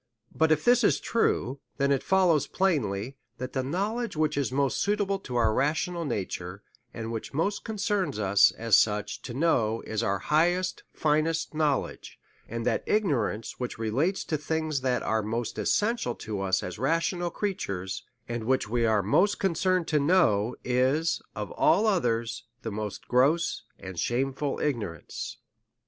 But if this be true, then it follows plainly, that that knowledge which is most suitable to our rational nature, and which most concerns us, as such to know, is our highest, finest knowledge ; and that ignorance which relates to things that are most essential to us, as rational crea tures, and which we are most concerned to know, is of all others, the most gross and shameful ignorance.